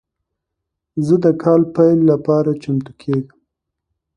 زه د کال پیل لپاره چمتو کیږم.